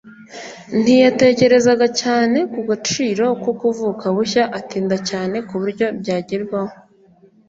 Ntiyatekerezaga cyane ku gaciro ko kuvuka bushya, atinda cyane ku buryo byagerwaho.